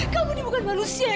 kamu ini bukan manusia